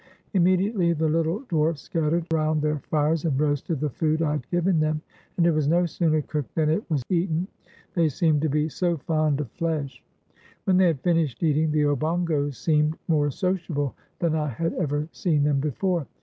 Immediately the little dwarfs scattered round their fires, and roasted the food I had given them, and it was no sooner cooked than it was eaten, they seemed to be so fond of flesh. When they had finished eating, the Obongos seemed more sociable than I had ever seen them before.